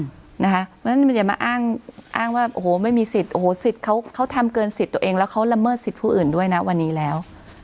เพราะฉะนั้นมันจะมาอ้างว่าโอ้โหไม่มีสิทธิ์โอ้โหสิทธิ์เขาทำเกินสิทธิ์ตัวเองแล้วเขาละเมิดสิทธิ์ผู้อื่นด้วยนะวันนี้แล้ว